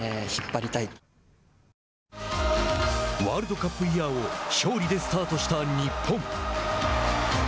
ワールドカップイヤーを勝利でスタートした日本。